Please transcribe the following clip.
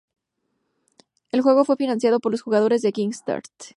El juego fue financiado por los jugadores en Kickstarter.